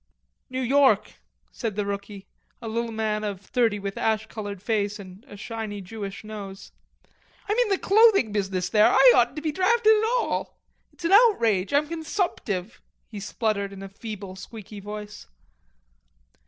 "New York," said the rookie, a little man of thirty with an ash colored face and a shiny Jewish nose. "I'm in the clothing business there. I oughtn't to be drafted at all. It's an outrage. I'm consumptive." He spluttered in a feeble squeaky voice.